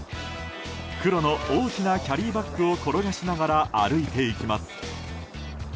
黒の大きなキャリーバッグを転がしながら歩いていきます。